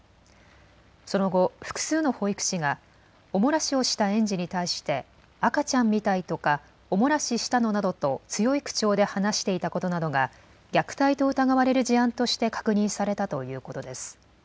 その後、複数の保育士がお漏らしをした園児に対して赤ちゃんみたいとかお漏らししたの？などと強い口調で話していたことなどが虐待と疑われる事案として確認されたということです。